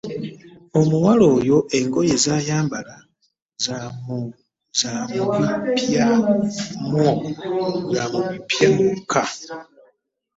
Omuwala oyo engoye zayambala zamubipya mwokka.